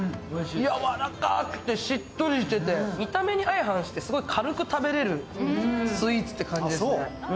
やわらかくてしっとりしてて、見た目に相反して軽く食べられるスイーツって感じ。